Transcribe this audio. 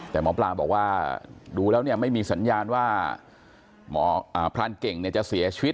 แต่หมอปลาบอกว่าดูแล้วเนี่ยไม่มีสัญญาณว่าพรานเก่งจะเสียชีวิต